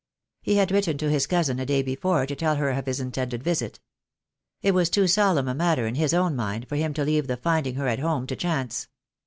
He had written to his cousin a day before to tell her of his intended visit. It was too solemn a matter in his own mind for him to leave the finding her at home to chance.